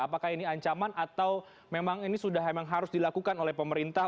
apakah ini ancaman atau memang ini sudah memang harus dilakukan oleh pemerintah